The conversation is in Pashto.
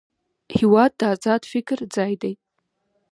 هېواد د ازاد فکر ځای دی.